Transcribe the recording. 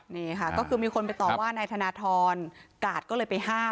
นี่ค่ะก็คือมีคนไปต่อว่านายธนทรกาดก็เลยไปห้าม